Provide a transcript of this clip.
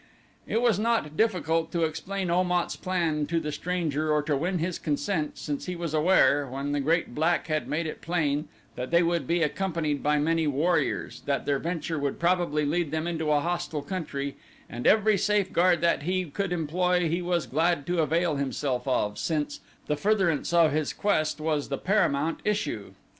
It was not difficult to explain Om at's plan to the stranger or to win his consent since he was aware, when the great black had made it plain that they would be accompanied by many warriors, that their venture would probably lead them into a hostile country and every safeguard that he could employ he was glad to avail himself of, since the furtherance of his quest was the paramount issue.